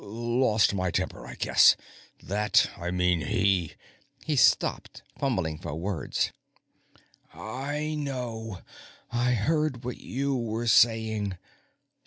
"Lost my temper, I guess. That ... I mean, he " He stopped, fumbling for words. "I know. I heard what you were saying.